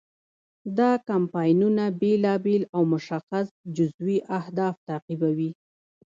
دا کمپاینونه بیلابیل او مشخص جزوي اهداف تعقیبوي.